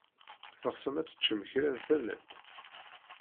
Teɣsem ad teččem kra n tanalt?